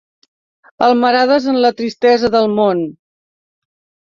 Amarades en la tristesa del món